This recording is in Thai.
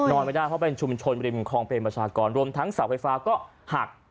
ไม่ได้เพราะเป็นชุมชนริมคลองเป็นประชากรรวมทั้งเสาไฟฟ้าก็หัก